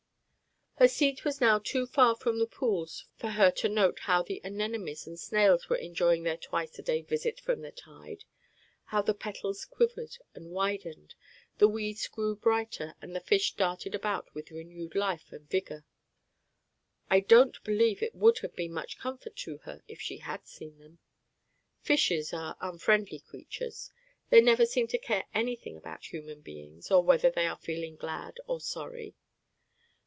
Her seat was now too far from the pools for her to note how the anemones and snails were enjoying their twice a day visit from the tide, how the petals quivered and widened, the weeds grew brighter, and the fish darted about with renewed life and vigor. I don't believe it would have been much comfort to her if she had seen them. Fishes are unfriendly creatures; they never seem to care any thing about human beings, or whether they are feeling glad or sorry.